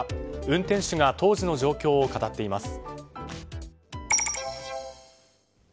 運転手が当時の状況を語っています。